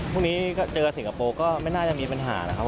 พรุ่งนี้เจอสิงคโปร์ก็ไม่น่าจะมีปัญหานะครับ